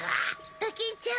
ドキンちゃん